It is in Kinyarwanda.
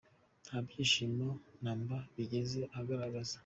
Nta byishimo na mba yigeze agaragaza.